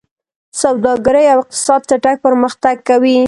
سوداګري او اقتصاد چټک پرمختګ کوي.